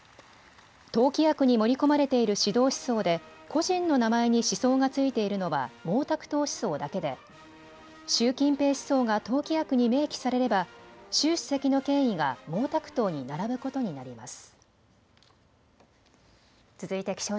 党規約に盛り込まれている指導思想で個人の名前に思想がついているのは毛沢東思想だけで習近平思想が党規約に明記されれば習主席の権威が毛沢東に並ぶことになります。